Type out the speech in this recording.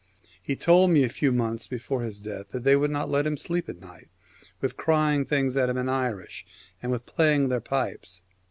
He told me a few months before his death that ' they ' would not let him sleep at night with crying things at him in Irish, and with playing their pipes.